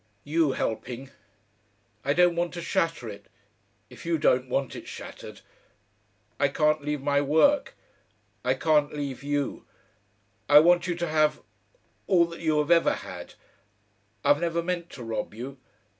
"You helping. I don't want to shatter it if you don't want it shattered. I can't leave my work. I can't leave you. I want you to have all that you have ever had. I've never meant to rob you.